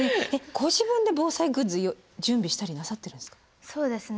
ご自分で防災グッズ準備したりなさってるんですか？